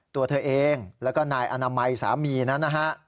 ตัวเธอเองแล้วก็นายอนามัยสามีนั้นนะฮะ